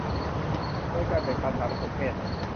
โดยการแบ่งบันสารสนเทศ